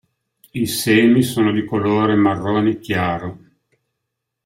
I semi sono di colore marrone chiaro.